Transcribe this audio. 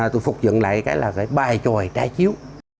tôi phục dựng lại cái là cái bài tròi trái chiếu